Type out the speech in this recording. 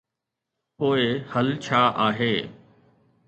پوء حل ڇا آهي؟